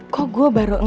kok gue baru ngeri